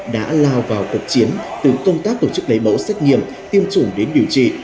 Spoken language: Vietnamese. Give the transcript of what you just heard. đã lao vào cuộc chiến từ công tác tổ chức lấy mẫu xét nghiệm tiêm chủng đến điều trị